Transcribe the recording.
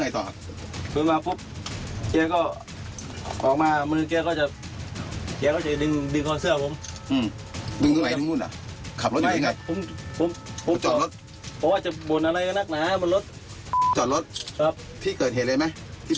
ตายแล้วตาย